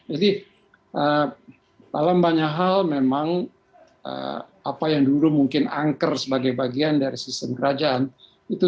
jadi dalam banyak hal memang apa yang dulu mungkin angker sebagai bagian dari sistem kerajaan itu